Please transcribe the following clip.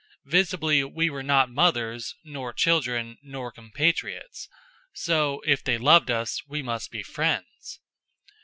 Visibly we were not mothers, nor children, nor compatriots; so, if they loved us, we must be friends.